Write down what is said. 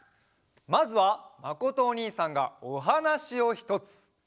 まずはまことおにいさんがおはなしをひとつ！